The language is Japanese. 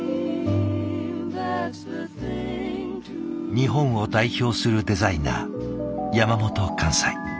日本を代表するデザイナー山本寛斎。